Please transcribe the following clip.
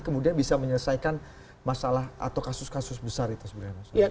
kemudian bisa menyelesaikan masalah atau kasus kasus besar itu sebenarnya mas